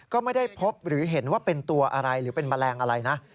ก็ไม่ได้พบหรือเห็นว่าเป็นตัวอะไรหรือเป็นแมลงอะไรนะ